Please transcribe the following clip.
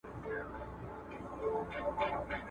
زه به نه یم ستا جلګې به زرغونې وي ..